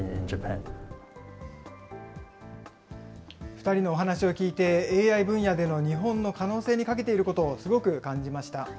２人のお話を聞いて、ＡＩ分野での日本の可能性にかけていることをすごく感じました。